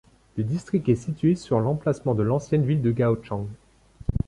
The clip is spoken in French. Le district est situé sur l'emplacement de l'ancienne ville de Gaochang.